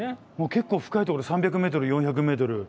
結構深いところで３００ｍ４００ｍ。